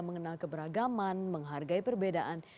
mengenal keberagaman menghargai perbedaan